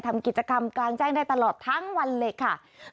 ทำกิจกรรมกลางแจ้งได้ตลอดทั้งวันเลยค่ะ